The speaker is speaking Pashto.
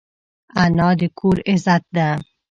انا د کور عزت ده